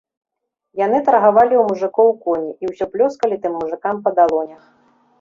Яны таргавалі ў мужыкоў коні і ўсё плёскалі тым мужыкам па далонях.